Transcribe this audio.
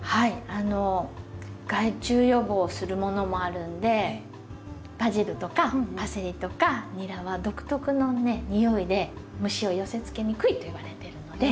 害虫予防するものもあるんでバジルとかパセリとかニラは独特のにおいで虫を寄せつけにくいといわれてるので。